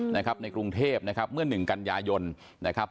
ในกรุงเทพนะครับเมื่อหนึ่งกันยายนนะครับ